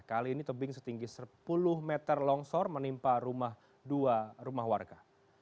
kali ini tebing setinggi sepuluh meter longsor menimpa rumah dua rumah warga